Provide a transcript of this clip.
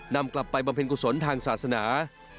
นำกลับไปบำเพ็ญกุศลทางศาสนา